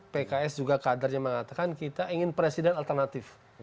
pks juga kadernya mengatakan kita ingin presiden alternatif